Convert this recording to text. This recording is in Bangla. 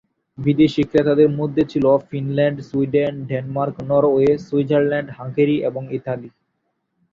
বিদেশী ক্রেতাদের মধ্যে ছিল Finland, Sweden, Denmark, Norway, Switzerland, Hungary এবং ইতালি।